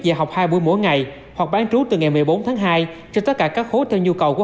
giờ học hai buổi mỗi ngày hoặc bán trú từ ngày một mươi bốn tháng hai cho tất cả các khối theo nhu cầu của